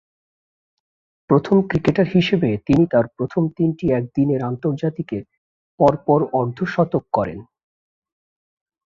প্রথম ক্রিকেটার হিসেবে তিনি তার প্রথম তিনটি একদিনের আন্তর্জাতিকে পরপর অর্ধ-শতক করেন।